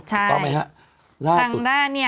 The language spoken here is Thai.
ใช่